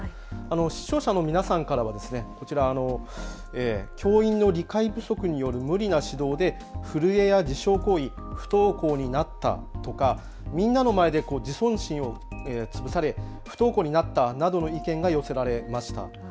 視聴者の皆さんからは、こちら教員の理解不足による無理な指導で震えや自傷行為、不登校になったとかみんなの前で自尊心を潰され不登校になったなどの意見が寄せられました。